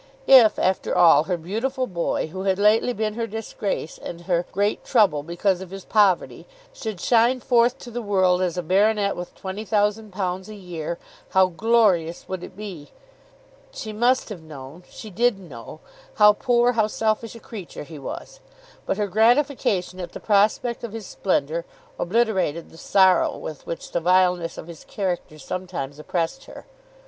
If, after all, her beautiful boy, who had lately been her disgrace and her great trouble because of his poverty, should shine forth to the world as a baronet with £20,000 a year, how glorious would it be! She must have known, she did know, how poor, how selfish a creature he was. But her gratification at the prospect of his splendour obliterated the sorrow with which the vileness of his character sometimes oppressed her.